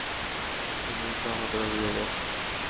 তুমিই তো আমাদের অভিভাবক।